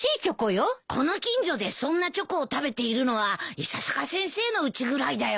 この近所でそんなチョコを食べているのは伊佐坂先生のうちぐらいだよ。